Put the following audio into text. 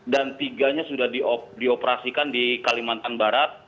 dan tiga nya sudah dioperasikan di kalimantan barat